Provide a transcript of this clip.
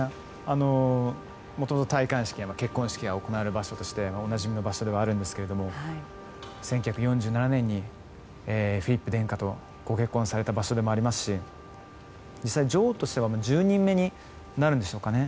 もともと戴冠式や結婚式が行われる場所としておなじみの場所ではあるんですけど１９４７年にフィリップ殿下とご結婚された場所でもありますし実際に女王としては１０人目になるんでしょうかね。